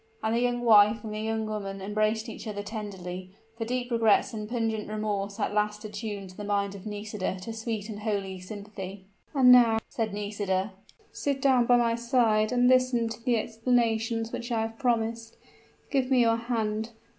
And the young wife and the young woman embraced each other tenderly for deep regrets and pungent remorse at last attuned the mind of Nisida to sweet and holy sympathy. "And now," said Nisida, "sit down by my side, and listen to the explanations which I have promised. Give me your hand.